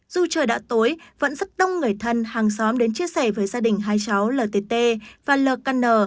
dù trời đã tối vẫn rất đông người thân hàng xóm đến chia sẻ với gia đình hai cháu lt và lkn